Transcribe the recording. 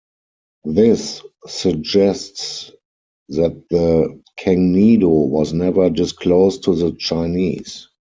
This suggests that the Kangnido was never disclosed to the Chinese.